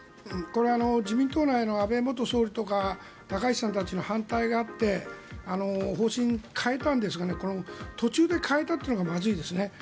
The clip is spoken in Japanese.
これは自民党内の安倍元総理とか高市さんたちの反対があって方針を変えたんですが途中で変えたというのがまずいですね。